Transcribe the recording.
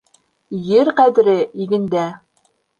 Ер ҡәҙере игендә